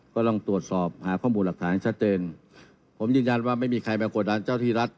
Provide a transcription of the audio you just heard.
ก็ต้องตรวจสอบหาข้อมูลหลักฐานให้ชัดเจนผมยืนยันว่าไม่มีใครมากดดันเจ้าที่รัฐ